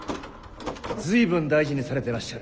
随分大事にされてらっしゃる。